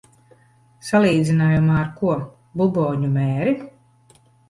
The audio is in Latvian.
Salīdzinājumā ar ko? Buboņu mēri?